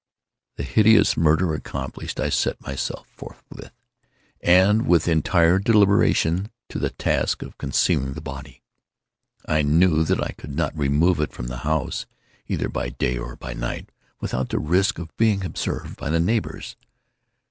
This hideous murder accomplished, I set myself forthwith, and with entire deliberation, to the task of concealing the body. I knew that I could not remove it from the house, either by day or by night, without the risk of being observed by the neighbors.